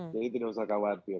jadi tidak usah khawatir